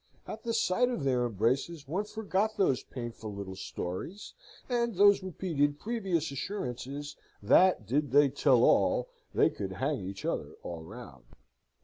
At the sight of their embraces one forgot those painful little stories, and those repeated previous assurances that, did they tell all, they could hang each other all round.